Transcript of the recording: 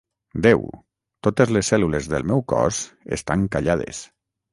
Déu, totes les cèl·lules del meu cos estan callades.